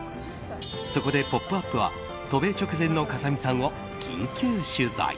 そこで「ポップＵＰ！」は渡米直前の風見さんを緊急取材。